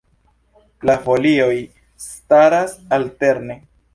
La folioj staras alterne.